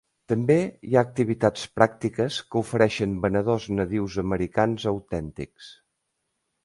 També hi ha activitats pràctiques que ofereixen venedors nadius americans autèntics.